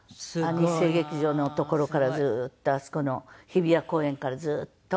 日生劇場の所からずーっとあそこの日比谷公園からずーっと。